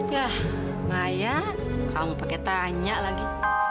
yah maya kamu pake tanya lagi